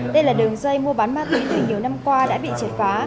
đây là đường dây mua bán ma túy từ nhiều năm qua đã bị triệt phá